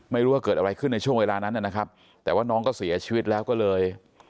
ไม่รู้ว่าเกิดอะไรขึ้นในช่วงเวลานั้นนะครับแต่ว่าน้องก็เสียชีวิตแล้วก็เลย